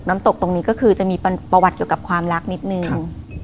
ตกตรงนี้ก็คือจะมีประวัติเกี่ยวกับความรักนิดนึง